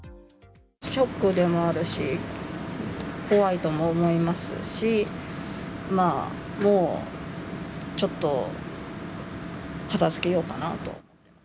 ショックでもあるし、怖いとも思いますし、もうちょっと片づけようかなと。